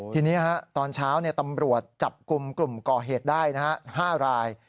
ทีนี้ตอนเช้าตำรวจจับกลุ่มกลุ่มก่อเหตุได้๕ราย